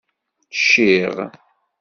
Cciɣ.